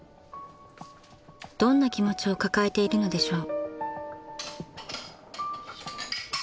［どんな気持ちを抱えているのでしょう］